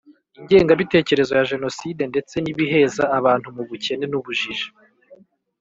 ingengabitekerezo ya jenoside ndetse n’ibiheza abantu mu bukene n’ubujiji